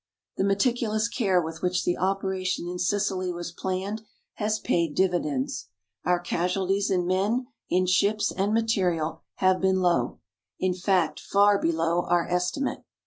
The meticulous care with which the operation in Sicily was planned has paid dividends. Our casualties in men, in ships and material have been low in fact, far below our estimate.